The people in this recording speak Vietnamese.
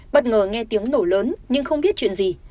bất ngờ nghe tiếng nổ lớn nhưng không biết chuyện gì